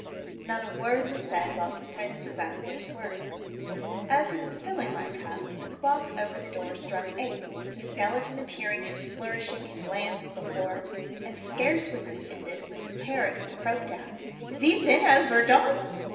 Not a word v/as said whilst Prins was at this work. As he was filling my cup, the clock over the door struck eight, the skeleton appearing and flourishing his lance as before, and scarce was this ended when the parrot croaked out, "Ms 3i'n al Wei J)oniO!"